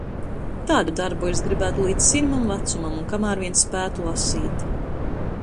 Tādu darbu es gribētu līdz sirmam vecumam un kamēr vien spētu lasīt.